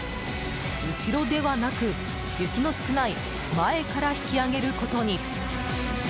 後ろではなく、雪の少ない前から引き上げることに。